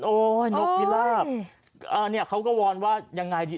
โอ้ยนกพิลาบเขาก็วอนว่ายังไงดี